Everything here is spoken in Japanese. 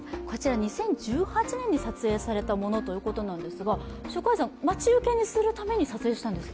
２０１８年に撮影されたものということなんですが待ち受けにするために撮影したんですか？